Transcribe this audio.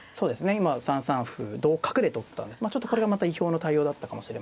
今３三歩同角で取ったんでちょっとこれがまた意表の対応だったかもしれません。